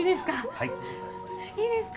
はいいいですか？